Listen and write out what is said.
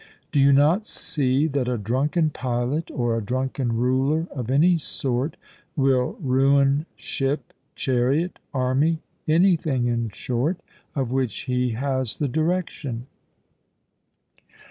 Do you not see that a drunken pilot or a drunken ruler of any sort will ruin ship, chariot, army anything, in short, of which he has the direction?